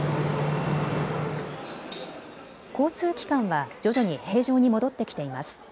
交通機関は徐々に平常に戻ってきています。